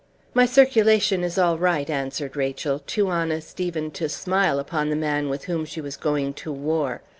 "My circulation is all right," answered Rachel, too honest even to smile upon the man with whom she was going to war.